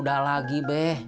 sudah muda lagi be